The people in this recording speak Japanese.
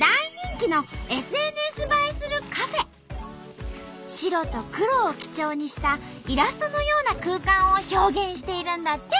今白と黒を基調にしたイラストのような空間を表現しているんだって！